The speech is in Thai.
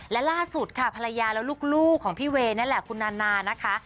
และล่าสุดค่ะภรรยาและลูกของพี่เวย์นั่นแหละคุณนานานะคะ